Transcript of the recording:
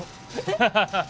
ハハハハ。